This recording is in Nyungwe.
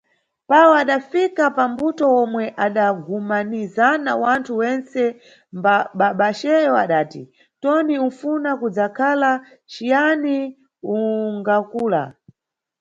Pawo adafika pambuto yomwe adagumanizana wanthu wentse, babaceyo adati: Toni, unʼfuna kudzakhala ciyani ungakula?